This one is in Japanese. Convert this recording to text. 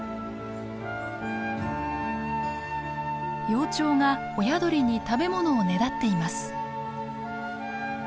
幼鳥が親鳥に食べ物をねだっています。